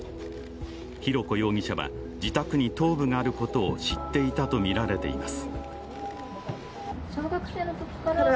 浩子容疑者は自宅に頭部があることを知っていたとみられています。